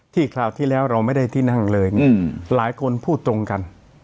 คราวที่แล้วเราไม่ได้ที่นั่งเลยหลายคนพูดตรงกัน